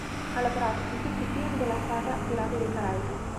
Ha lavorato su tutti i film della saga "Pirati dei Caraibi".